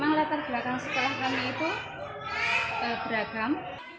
memang latar belakang sekolah kami itu beragam